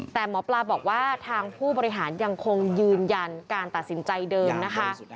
แต่หมอปลาบอกว่าทางผู้บริหารยังคงยืนยันการตัดสินใจเดิมนะคะ